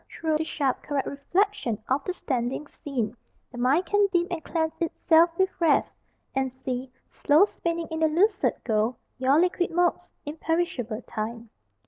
Through the sharp Correct reflection of the standing scene The mind can dip, and cleanse itself with rest, And see, slow spinning in the lucid gold, Your liquid motes, imperishable Time.